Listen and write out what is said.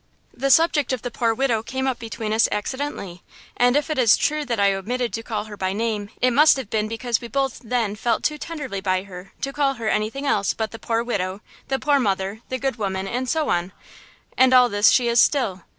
The subject of the poor widow came up between us accidentally, and if it is true that I omitted to call her by name it must have been because we both then felt too tenderly by her to call her anything else but 'the poor widow, the poor mother, the good woman,' and so on–and all this she is still."